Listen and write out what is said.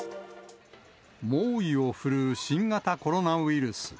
猛威を振るう新型コロナウイルス。